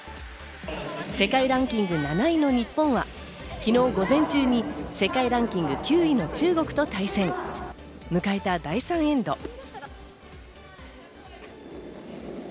世界ランキング７位の日本は昨日、午前中に世界ランキング９位の中国と対戦。迎えた第３エンド。